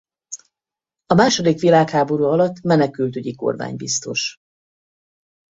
A második világháború alatt menekültügyi kormánybiztos.